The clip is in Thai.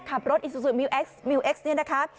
ขับรถอีซูซูมิวเอ็กซมิวเอ็กซ์เนี่ยนะคะ